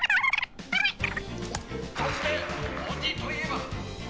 「」「そして恩人といえば」